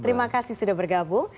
terima kasih sudah bergabung